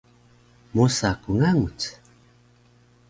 mosa ku ngerac